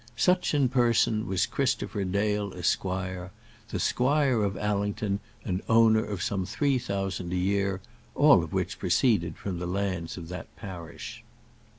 Such in person was Christopher Dale, Esq., the squire of Allington, and owner of some three thousand a year, all of which proceeded from the lands of that parish.